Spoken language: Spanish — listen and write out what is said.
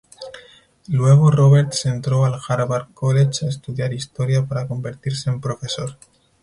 Luego Roberts entró al Harvard College a estudiar historia para convertirse en profesor.